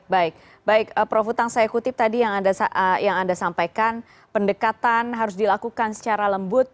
baik baik prof utang saya kutip tadi yang anda sampaikan pendekatan harus dilakukan secara lembut